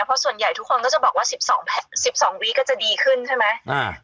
เพราะส่วนใหญ่ทุกคนก็จะบอกว่า๑๒วีคก็จะดีขึ้นใช่ไหม